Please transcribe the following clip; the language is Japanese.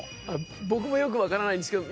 僕もよく分からないんですけど